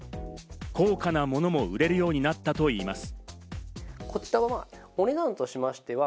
高価なものも売れるようになったといいます。